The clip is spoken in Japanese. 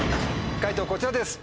解答こちらです。